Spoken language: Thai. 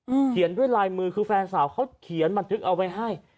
เขียนด้วยลายมือคือแฟนสาวเขาเขียนบันทึกเอาไว้ให้